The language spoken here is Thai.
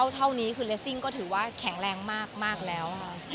เท่านี้คือเลสซิ่งก็ถือว่าแข็งแรงมากแล้ว